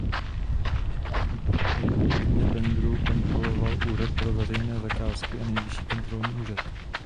Případné pochybení ohledně tendru kontroloval Úřad pro veřejné zakázky a Nejvyšší kontrolní úřad.